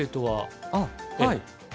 はい。